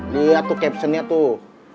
liat tuh captionnya tuh